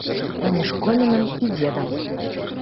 Паміж комінам і дзедам.